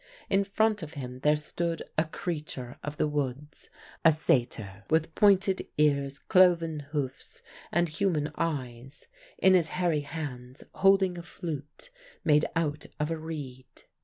In front of him there stood a creature of the woods, a satyr, with pointed ears, cloven hoofs, and human eyes, in his hairy hands holding a flute made out of a reed.